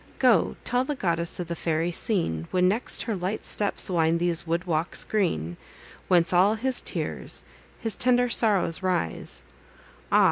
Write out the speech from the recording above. Go—tell the Goddess of the fairy scene, When next her light steps wind these wood walks green, Whence all his tears, his tender sorrows, rise; Ah!